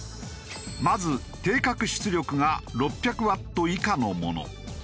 まず定格出力が６００ワット以下のもの。